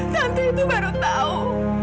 tante itu baru tahu